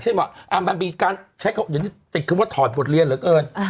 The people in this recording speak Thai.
เช่นว่าอ่ามันมีการใช้เขาแต่คือว่าถอดบทเรียนเหลือเกิน